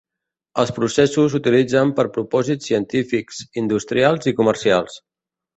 Els processos s'utilitzen per propòsits científics, industrials i comercials.